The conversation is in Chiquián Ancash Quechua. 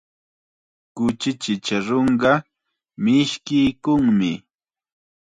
Kuchi chacharunqa mishkiykunmi.